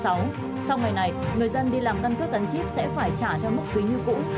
sau ngày này người dân đi làm căn cước gắn chip sẽ phải trả theo mức phí như cũ